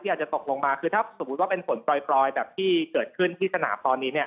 อาจจะตกลงมาคือถ้าสมมุติว่าเป็นฝนปล่อยแบบที่เกิดขึ้นที่สนามตอนนี้เนี่ย